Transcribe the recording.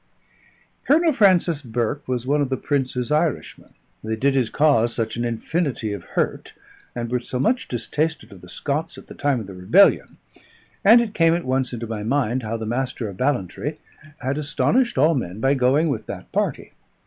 Colonel Francis Burke was one of the Prince's Irishmen, that did his cause such an infinity of hurt, and were so much distasted of the Scots at the time of the rebellion; and it came at once into my mind how the Master of Ballantrae had astonished all men by going with that party.